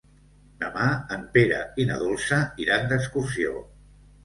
Demà en Pere i na Dolça iran d'excursió.